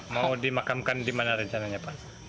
mau dimakamkan di mana rencananya pak